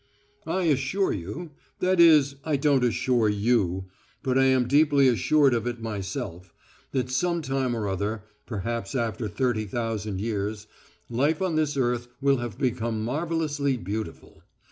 I assure you i.e., I don't assure you, but I am deeply assured of it myself that sometime or other, perhaps after thirty thousand years, life on this earth will have become marvellously beautiful.